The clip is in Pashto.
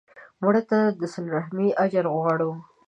مړه ته د صله رحمي اجر غواړو